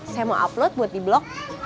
saya mau upload buat di blog